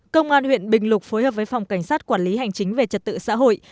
công an huyện bình lục phối hợp với phòng cảnh sát quản lý hành chính về trật tự xã hội